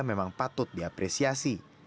memang patut diapresiasi